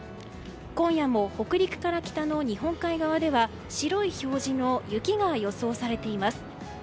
今夜も北陸から北の日本海側では白い表示の雪が予想されています。